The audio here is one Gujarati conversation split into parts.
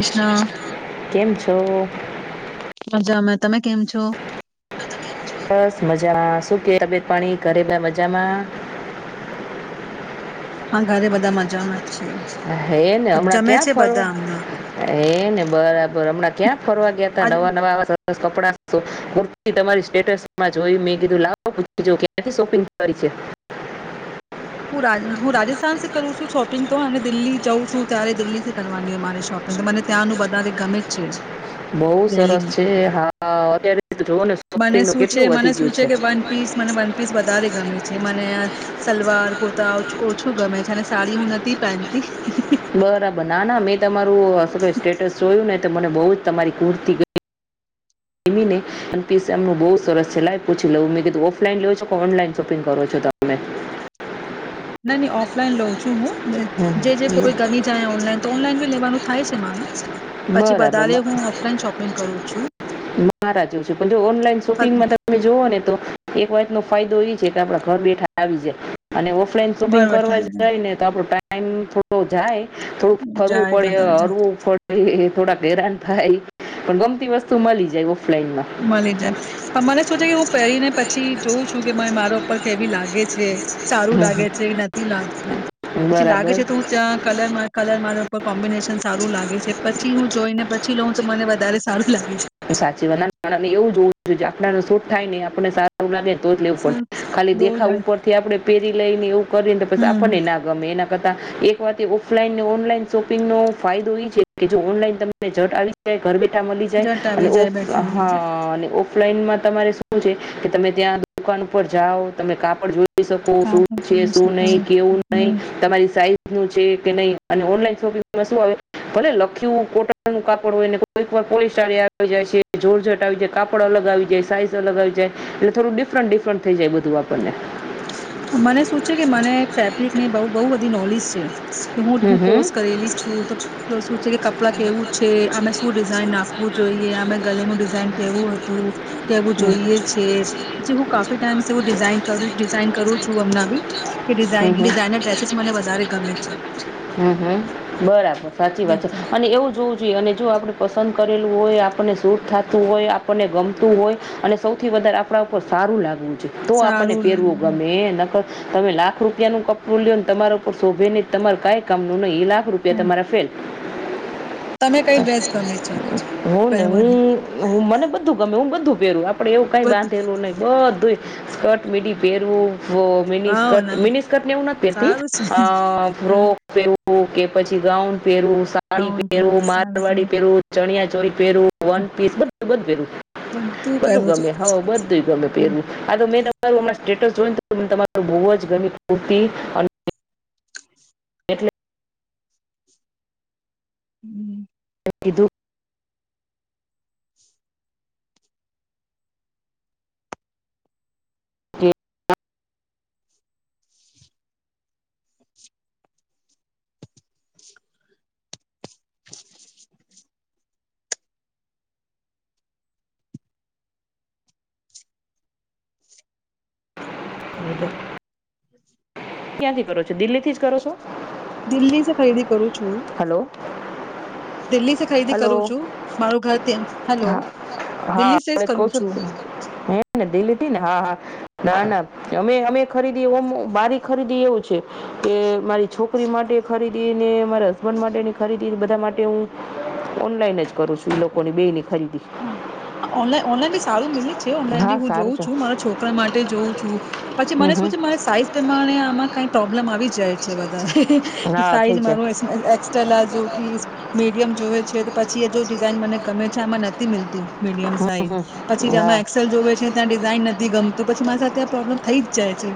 જય શ્રી કૃષ્ણા. કેમ છો? મજામાં તમે કેમ છો? બસ મજામાં. શું કેય? તબિયત, પાણી ઘરે મજામાં. હા, ઘરે બધા મજામાં. છે હે ને, બધ- હમણાં જમે ક્યાં છે ફરવા? બધા હમણાં તો હે ને, બરાબર. ગરમ [inaudible] ક્યાં ફરવા ગયા હતા? આજ નવા નવા [inaudible] હું રાજ- હું રાજસ્થાન સે કરું છું શોપિંગ તો અને દિલ્હી જઉં છું. ત્યારે દિલ્હી કરવાની હોય મારે શોપિંગ. તો મને ત્યાંનું બારે ગમે છે. બઉ સરસ દિલ્હીનું છે. હા, અત્યારે જોને શોપિંગ મને નું શું કેટલું છે મને વધી શું ગયું છે. કે ને સલવાર. કુર્તાઓ ઓછું ગમે છે. અને સાડી હું નથી પહેનતી. હીહી બરાબર! ના ના, મેં તમારું. [unintelligible] સ્ટેટસ જોયું ને. મને બો જ તમારી કુર્તી ગયમી ને અને પીસ એમનો બો જ સરસ છે, લાવ પુછી લવ. મે કીધૂ ઓફલાન લવ છો કે, ઓનલાઈન શોપિંગ કરો છો તમે. નાય નાય ઓફલાઈન લઉં છું હું. હમ જે જે કોઈ હમ ગમી જાય ઓનલાઈન તો ઓનલાઈન બી લેવાનું થાય છે મારુ પછી બરાબર વધારે મા- હું ઓફલાઈન શોપિંગ કરું છું મારા જેવું છે પણ જો ઓનલાઈન પર શોપિંગમાં તમે જોવો ને તો એક વાતનો ફાયદો ઈ છે કે આપડા ઘર બેઠા આવી જાય અને ઓફ ફ્રેન્ડ શોપિંગ બરોબર કરવા ખ્યાલ છે. જાય ને તો આપ ટાઈમ થોડો જાય. થોડુંક ફરવું જાય પડે, બધા જ હરવું પડે. હે હે અ થોડાક હેરાન થાય પણ, ગમતી વસ્તુ મળી જાય. ઓફલાઈનમાં મલી જાય તો મને શું થીયુ. ગે છે, સારું હમ લાગે છે નથી લાગતું હમ પછી લાગે બરાબર છે, તો હું ત્યાં કલર માટ કલર મારા ઉપર કોમ્બિનેશન સારું લાગે છે પછી હું જોઈને પછી લઉં તો મને વધ ધારે સારું લાગે છે. સાચી વાત ના મે એવું જોવું જે આપડા ને શુટ થાય ને એ આપણને સારું લાગે ને તોચ લેવું પડ ખાલી દેખાવ દોલન ઉપરથી આપડે પેરી લઈ ને એવું કરીને તો પસી હમ્મ આપણ ને ના ગમે એના એક વાત ઓફલાઈન ને, ઓનલાઇન શોપિંગ નો ફાયદો ઈ છે, કે જો ઓનલાઈન તમે જત આવી જાય તો ઘર બેઠા મળી જાય જટ અને આવી જાય ઓફ બેઠા આવી હા જાય. અને ઓફ ઓફલાઈનમાં તમારે શું છે કે, તમે ત્યાં દુકાન ઉપર જાઓ, તમે કાપડ જોઈ જોઈ શકો, કા શું પણ છે જોઈ શું શકો નહી? કેવું નહી? તમારી સાઈઝ છે કે નહી અને ઓનલાઈન શોપિંગમાં શું આવે, ભલે લખ્યું કોટન નું કાપડ હોય કોઈ ક વાર પોલિસતર આવી જાય છે, જોરજટ આવી જાય, કાપડ અલગ આવી જાય, સાઈઝ અલગ આવી જાય એટલે થોડું ડિફરન્ટ ડિફરન્ટ થઈ જાય બધું આપણને મને શું છે કે મને ફેબ્રિક ની બઉ બઉ બધી નોલેજ હું હમ કોર્સ હમ કરેલી છું, તો શું છે કે કપડા કેવું છે, આમે શું ડિઝાઇન નાખવું જોઈએ, આમે ગલેનું ડિઝાઈ જાણ કેવું હતું કેવું જોઈએ છે, પછી હું કાફી ટાઈમ સે હું ડિઝાઇન કરું ડિઝાઇન કરું છું અમના બી હ, હ, અ ડિઝાઇન ડિઝાઇનર ડ્રેસીસ મને વધારે ગમે છે. કે ડિઝાઇનર ડ્રેસીસ મને વધારે ગમે છે હ હ અ. બરાબર સાચી વાત છે અને એવું જ હોવું જોઈએ અને જો આપડે પસંદ કરેલું હોય, આપણને શૂટ થાતું હોય, આપણને ગમતું હોય અને સૌથી વધારે આપણા ઉપર સારું લાગવું તો આપણને સારું પેરવું ગમે લાગે. નકર તમે રૂપિયા નું કપડું લોને, તમારા ઉપર શોભે નય, તમારે કઈ કામ નું નય બે લાખ રૂપિયા તમારા ફેલ તમે કઈ ડ્રેસ ગમે છે [inaudible] હો ને પહેરવાની હું હું મને બધું ગમે હું બધું પેરુ આપ પડે એવું કઈ બધું બાંધેલું નહીં બધ ધુંય સ્કર્ટ મીડી પેરુ વો મિની વાવ સ્કર્ટ ના મિની સ્કર્ટ ને એવું નથ પેરતી સારું છે અ હા ફ્રોક ને એવું ઓકે પછી ગાઉન પેરું સાડી ગાઉન પહેરું સારું મારવાડી પહેરું પેરું ચણિયા પેરુ વન પીસ બધ ખુબ જ પેરુ બધું ગમે હવ બધુંય ગમે છું પેરવું આ તો મે તમારું સ્ટેટ્સ જોઈન તમ તમારું બવ જ ગમી કુર્તી અને એટલે હમ કીધુ [inaudible] ક્યાં થી કરો છો દિલ્હી થી જ કરો છો. દિલ્હી જ કયરી. કરુ છું હલો દિલ્હીસે ખરીદી હલો કરું છું, મારું ઘર ત્યાં હા હા એટલે જ કહું છું હું ને દિલીથી ને હા હા ના ના અમે અમે ખરીદી ઓમ મારી ખરીદી એવું છે, કે મારી છોકરી માટે ખરીદી ને મારા હસબન્ડ માટેની ખરીદી બધા, માટે હું ઓનલાઈન જ કરું છું, એ લોકોની બેય ની ઓનલાન ઓનલાઈન બી સારું મિલે છે, ઓનલાઈન બી હું જોઉં છું મારા છોકરા માટે જોઉં છું, પછી મને શું છે મારે સાઈઝ પ્રમાણે આમાં કઈ પ્રોબ્લેમ આવી જાય છે વધારે ઈ સાઇઝ મારો એસ એક એક્સ્ટ્રા લાર્જ [unintelligible] જોવે છે, તો પછી એ જો ડિઝાઇન મને ગમે છે, આમાં નથ થી મીલતું. મીડિયમ મને નથી સાઈઝ, ગમતી હમ હમ હા ચિંતા લાગશે તો હવે ચિંતાની કાંઈ નથી કરવું તો વસ્તુ થઈ જાય પણ થઈ જ જાય છે. થઈ જાય પછી જેમાં એક્સેલ જોવે છે, ત્યાં ડિઝાઇન નથી થી ગમતું પછી મારી સાથે આ પ્રોબ્લેમ થઈ જ જાય છે.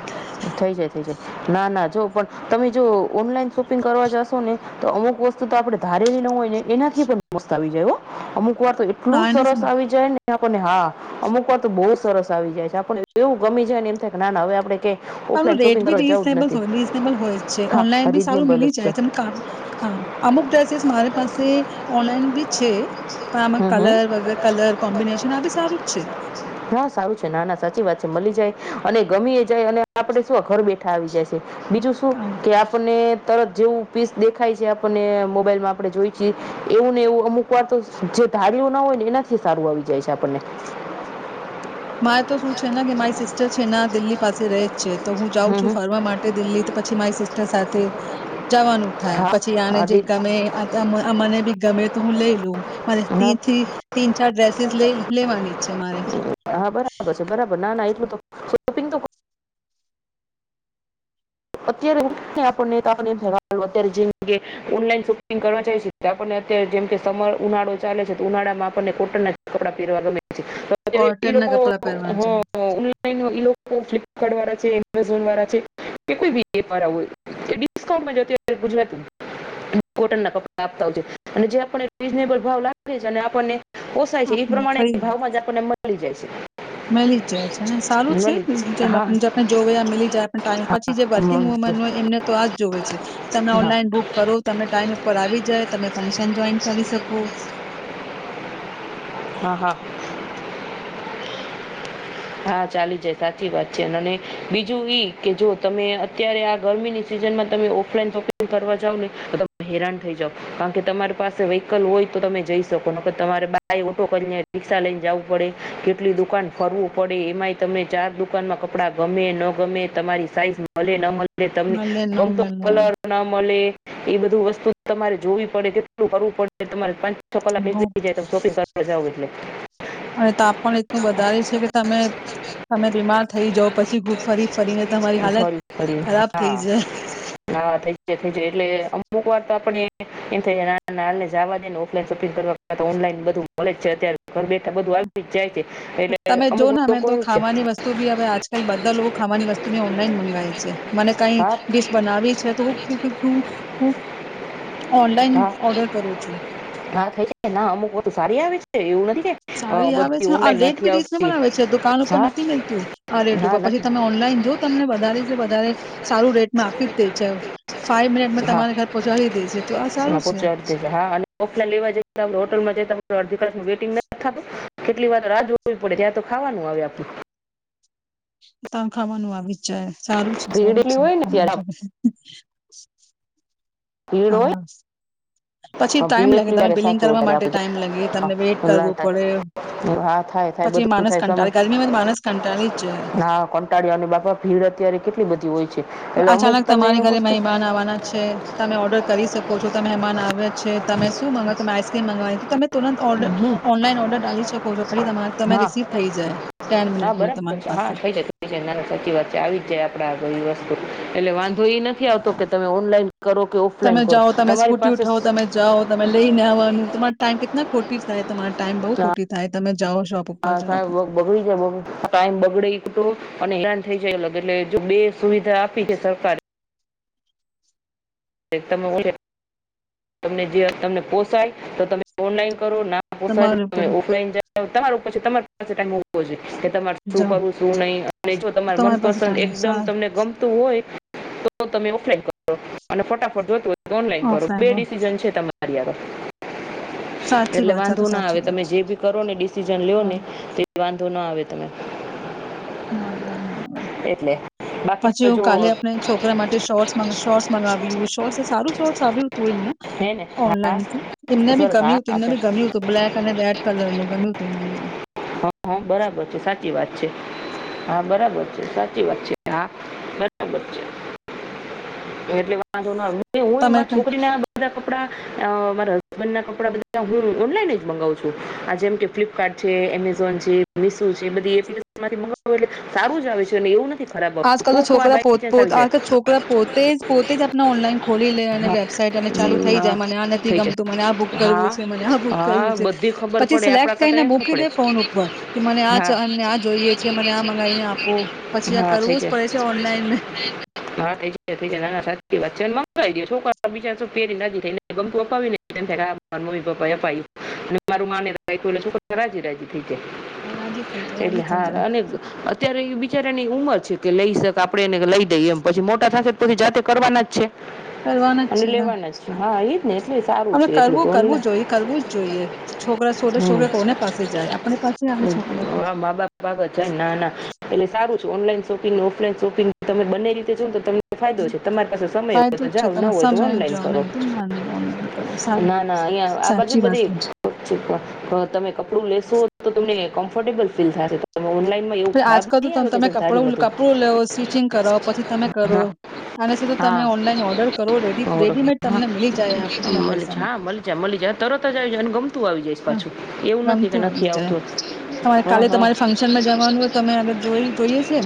થઈ જાય થઈ જાય ના ના જો પણ તમે જો ઓનલાઈન શોપિંગ કરવા જશો, ને તો અમુક વસ્તુ તો આપણે ધારેલી ન હોય ને એનાથી પણ મસ્ત આવી જાય હો અમુક વાર તો એટલું હા સરસ એના આવી જાય ને આપણને હા અમુક વાર તો બહુ જ સરસ આવી જાય છે, આપણને એવું ગમી જાય ને એમ થાય કે ના ના હવે આપડે કે સારું રેટ બી રીઝનેબલ હોય રીઝનેબલ હોય જ છે, ઓનલાઈન હા બી સારું રીઝનેબલ મિલી જ છે સાચી જાય છેા વાત તમે કામ અમુક ડ્રેસ સ મારે પાસે ઓનલાઈન બી છે પણ આમાં હમ હમ કલર વગ કલર કોમ્બિનેશન આ બી સારું જ છે. હા સારું છે ના ના સાચી વાત છે મળી જાય અને ગમીએ જાય અને આપડણે શું ઘર બેઠા આવી જાય છે. બીજું શું હા, કે આપણને તરત જેવું પીસ દેખાય છે આપને મોબાઈલમાં આપણે જોઈ છીએ એવું ને એવું અમુક વાર તો જે ધારીઓ ન હોય ને એનાથી સારું આવી જાય છે આપણને મારે તો શું છે ને કે મારી સિસ્ટર છે ના દિલ્હી પાસે રહે છે તો હું જાઉં હમ છું હમ ફરવા માટે દિલ્હી પછી મારી સિસ્ટર સાથે જવાનું થાય હા પછી આને હા જે દી ગમે આ આ મને બી ગમે તો હું લઈ લું હા મથી થી તીન ચાર ડ્રેસ લઈ લેવાની છે મારે હા બરાબર છે બરાબર ના ના એટલું તો શોપિંગ તો અત્યારે અત [unintelligible] જેમકે ઓનલાઈન શોપિંગ કરવા જાય છે ત્યાં આપણને અત્યારે જેમકે સમર ઉનાળો ચાલે છે તો ઉનાળામાં આપણને કોટનના જ કપડા પહેરવા ગમે અત્યારે એ કોટન ના લોકો કપડાં પહેરવાના છે એ લોકો ફ્લિપકાર્ટ વાળા છે. એમેઝોન વાળા છે. [unintelligible] ગુજરાતી કોટ ના કપડા આપતા હોય અને જે આપણને રીઝનેબલ ભાવ લાગે છે અને આપણને પોસાય છે એ પ્રમાણે ભાવમાં જ આપણને મળી જાય છે. મેલી જ જાય છે ને સારું છે મળી જેમ હા આપણે [unintelligible] જોવ મીલી જાય ટાઈમ હા ઉપર છ જે હા વર્કિંગ વુમેન હોય એમને તો આ જ જોવે છે તમે ઓનલાઈન બુક કરો તમે ટાઈમ ઉપર આવી જાય તમે ફંક્શન જોઈન કરી શકો હા હા. હા ચાલી જાય સાચી વાત છે અને બીજું ઈ કે જો તમે અત્યારે આ ગરમીની સિઝનમાં તમે ઓફલાઈન શોપિંગ કરવા જાવ ને તો તમે હેરાન થઈ જાવ કારણ કે તમારી પાસે વહીકલ હોય તો તમે જઈ શકો ન તમારે બાય ઓટો કરીને રિક્ષા લઈને જવું પડે કેટલી દુકાન ફરવું પડે એમાંય તમને ચાર દુકાનમાં કપડા ગમે ન ગમે તમારી સાઈઝ મળે ન મળે એટ તમને મળે ન ગમતો મળે કલર ના મલે એ બધું વસ્તુ તમારે જોવી પડે કેટલું કરવું પડે તમારે પાચ કલાક બહુ [unintelligible] જાય તમે શોપિંગ કરવા જાઓ એટલે બ વધારે છે કે તમે તમે બીમાર થઈ જાવ પછી [unintelligible] ફરી ફરીને તમારી હાલત ફરી ફરી ખરાબ થઈ હા જાય હા થઈ જાય થઇ જાય એટલે અમુક વાત તો આપણે એમ થાય ના એને જવા દે ને ઓફલાઈન શોપિંગ કરવા ઓનલાઈન બધું મળે જ છે અત્યારે ઘર બેઠા બધું આવીજ જાય છે. એટલે તમે જો અમુક ને અમે લોકો તો એવું છે ખાવાની વસ્તુ ભી હવે આજકાલ બદા લોક ખાવાની વસ્તુ બી ઓનલાઈન મંગાયે છે. મને કઈ હા ડિશ બનાવી છે તો [unintelligible] ઓનલાઈન હા ઓર્ડર કરું છું હા થાય છે ના અમુક બધું સારી આવે છે એવું નથી કે અ, સારી આવે બધી છે આ ઓનલાઈન રેટ નથી બી આવતી રીઝનેબલ આવે છે, દુકાન ઉપર હા નથી મલતું આ રેટ હા ઉપર પછી, નથી તમે ઓનલાઈન જો તમને વધારે વધારે. સારું, રેટમાં આપી જ દે છે. ફાઈવ હા મિનિટમાં હા તમારે ઘર પહોંચાડી દે છે તો આ સારું છે હા [unintelligible] લેવા જ હોટલમાં જ. [inaudible] વેટિંગ નથ થતું. કેટલી વાર રાહ જોવી પડે ત્યાં તો ખાવાનું આવે આપડુ. [unintelligible] સારું છે ભીડ સારું એટલી છે. હોય [inaudible] ને ત્યારે [inaudible] ભીડ હા [inaudible] પછી હોય ટાઈમ ભીડ લાગે એટલી તમે વાર બિલિંગ સાચું કરવા અત્યારે માટે આપણે ટાઈમ લાગે તમને વેટ કરવો લાય પડે થાય હા થાય થાય પછી બધું માણસ થાય સમય કંટાળી ગરમીમાં માણસ કંટાળી જાય હા કંટાળ્યા અને બાપા ભીડ અત્યારે કેટલી બધી હોય છે એટલે અમુક અચાનક તમે તમારે ઘરે વસ્તુ મહેમાન આવવાના છે તમે ઓર્ડર કરી શકો. કો [unintelligible] મહેમાન. આવે છે તમે શું મંગાવો તમે આઈસ્ક્રીમ મંગવાની તો તમે. તુરત હમ ઓનલાન ઓર્ડર ડાલી શકો છો પછી તમારે હા રિસીવ થઈ જાય ટેન હા મિનિટ બરાબર તમારી છે હા પાસે. થઈ જાય થઈ જાય ના ના સાચી વાત છે આવી જ જાય આપડા આગળ ઈ એટલે વાંધો એઈ નથી આવતો કે તમે ઓનલાઈન. કરો કે તમે ઓફલાઈન કરો જાઓ તમે તમારી સ્કૂટી પાસે ઉઠાવો તમે જાઓ તમે લઈને આવવાનું તમારા ટાઈમ કેટલા ખોટ--. [unintelligible] ઉપર સા જાઓ બગડી [inaudible] ટાઈમ બગડે. થઈ જાય લગન એટલે જો બે સુવિધા. [unintelligible] એકદમ [unintelligible] તમને જે તમને પોસાય તો તમે ઓનલાઈન. કરો ના પોસાય તમારે ઉપર તમે ઓફલાઇન [inaudible] કે, તમાર શું જાઓ કરું શું નહી, અને જો તમાર તમારી પાસે મનપસંદ ટાઈમ એકદમ સાર તમને ગમતું હોય, તો તમે ઓફલાઈન. [inaudible] અને ફટાફટ જોતું. ઓનલાઈન કરો. બે ઓફલાઈન ડિસિઝન છે, તમારે. હરિયાાર, [inaudible] સાચી એટલે વાત છે, આ તો વાંધો, ના આવે સાચી વાત તમે છે, જે ભી કરો ને ડિસિજન લ્યો ને વાંધો તે વાંધો ના આવે. [inaudible] [unintelligible] આવે એટલે બાકી પછી તો હું જો કાલે આપણે છોકરા માટે શોર્ટ શોર્ટ્સ મગાવ્યું શોર્ટ સારું શોર્ટસ આવ્યું હતું એમના હે ને હા ઓનલાઈન એમને બી સરસ હા ગમ્યું હતું, એમને અચ્છા બી ગમ્યું હતું બ્લેક અને રેડ, કલર નું ગમ્યું. તેમના બી હ હ બરાબર છે, સાચી વાત છે. હા બરાબર છે, સાચી વાત છે, હા બરાબર છે. એટલે, વાંધો ના આવે હું તમે મારા કઈ છોકરી ના બધા મારા હબન્ડ ના કપડા બધા હું ઓનલાઈન જ મંગાવું છું આ જેમ કે ફ્લિપકાર્ટ છે, એમેઝોન છે, મીશો છે, બધી એમાંથી મંગાવું એટલે સારું જ આવે છે અને એવું નથી. ખરાબ આવતું આજકાલ તો કોક વાર છોકરા બાય ચાન્સ આવી પોત-પોત, જાય આજકાલ છોકરા પોતે જ પોતે જ આપણા ઓનલાઈન ખોલી લે અને હા વેબસાાઈટ અને ચાલુ હમ, થઈ હા, જાય મને આ નથી થઈ જાય ગમતું મને આ બુક કરવું હા છે મને આ બુક કરવું હા છે બધી ખબર પછી પડે આપડા સિલેક્ટ કરતા કરીને એમ ખબર મૂકી દે ફોન પડે ઉપર કે મને આ હા એમને આ જોઈએ છે મને આ મગાવીને આપો પછી આ કરવું જ પડે છે ઓનલાઇન પડે છે ઓનલાઈન મે. મેં. હા થઈ જાય. ના ના સાચી વાત છે મ અપાઈ દઈએ છોકરાંઓ બીજા શું પેરીને રાજી થઈ ગમતું અપાવીએને તો એમ થાય હા મમ્મી પપ્પાએ અપાયું ને મારું મનને રાખ્યું છોકરા રાજી-રાજી થઈ. રાજી થઈ જાય એટલે રાજી થઈ જાય હા અને અત્યારે એ બિચારાની ઉંમર છે કે લઈ શક આપડે એને લઈ દઈએ એમ પછી મોટા થાશે. તો જાતે કરવાના જ છે. કરવાના જ અને છે લેવાના જ છે હા એ જ ને એટલે સારું આપણે છે એટલું કરવું તો કરવું ઓનલાઈન જોઈએ કરવું જ જોઈએ છોકરા છોરે હમ છોકરે કોને પાસે જાય આપણે પાસે આવે છોકરા તો. હા મા બાપ આગળ જાય ના ના એટલે સારું ઓનલાઈન શોપિંગ ઓફલાઈન શોપિંગ તમે બંને રીતે જાઉ તો તમને ફાયદો છે તમારી પાસે સમય હોય તો ફાયદો જ છે જાવ ના તમે હોય તો સમય ઓનલાઈન જાઓ કરો. નહી તો ઓનલાઈન કરો સારું ના ના અહિયાં આ બાજુ સાચી બધી વાત તમે કપડું લે શું તો તમને કમ્ફર્ટેબલ ફીલ થાય. આજકાલ તો તમે કપડ નતું કપડું લેવ સ્ટિચિંગ કરાવ પછી તમે કરો હા આનાથી તો તમે હા ઓનલાઈન ઓર્ડર કરો રેડી બોલો. રેડીમેડ હા તમને મી જાય આપ મળી જાય હા મળી જાય મળી જ તરત જ આવી જાય ને ગમતું આવે. હા ગમતું આવી જ જાય તમારે હા કાલે હા તમારે ફંક્શનમાં જવાનું હોય તમે અગર જોઈ જોઈએ છે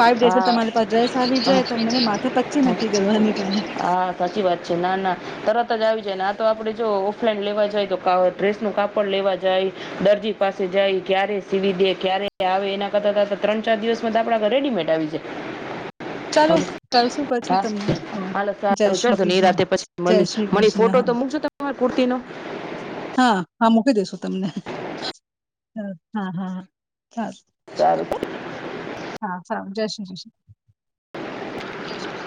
ફાઈવ ડેઝમાં તમારી હા પાસે ડ્રેસ આવી જાય તમને ક માથ પછચી હા નથી કરવાની કાઈ. હા સાચી વાત છે ના ના તરત આવી જાય. તો આપણે જો ઓફલાઈન લેવા જાય, તો ડ્રેસનું કાપડ લેવા જાય, દરજી પાસે જાય ક્યારે સીવી દે ક્યારે આવે એના કરતા ત્રણ ચાર દિવસમાં તો આપણા રેડીમેડ આવી જાય. ચાલો કરશુ પછી તમને હો જય શ્રી કૃષ્ણ જય શ્રી. મને કૃષ્ણ ફોટો હા તો મૂકશો તમારી કુર્તી નો. હા હા મૂકી દેેશો. તમને હ હા હા હા હ સારુ ્ ચારુ. હા સારું જય શ્રી કૃષ્ણ. [inaudible]